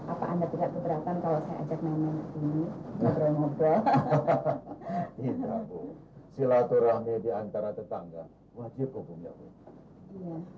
apa anda tidak keberatan kalau saya ajak nenek ini ngobrol ngobrol